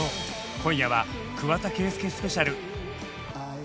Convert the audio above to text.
今夜は桑田佳祐スペシャル！